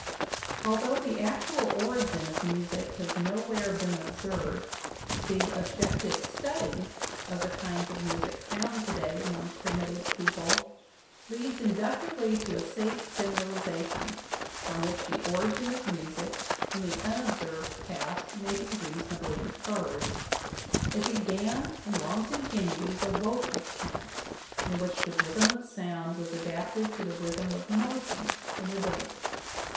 Although the actual origin of music has nowhere been ob served, the "objective study" of the kinds of music found today among primitive people leads inductively to a safe gener alization, from which the origin of music in the unobserved past may be reasonably inferred. It began and long continued as a vocal chant, in which the rhythm of sound was adapted to the rhythm of motion in the dance.